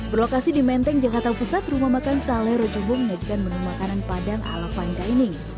berlokasi di menteng jakarta pusat rumah makan salero jumbo menunjukkan menu makanan padang ala panjang ini